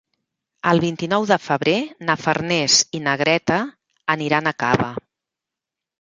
El vint-i-nou de febrer na Farners i na Greta aniran a Cava.